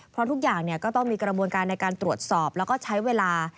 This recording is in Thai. เพราะทุกอย่างก็ต้องมีกระบวนการในการตรวจสอบแล้วก็ใช้เวลา